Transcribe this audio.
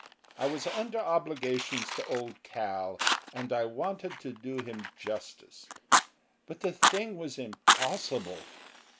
I was under obligations to old Cal and I wanted to do him justice, but the thing was impossible.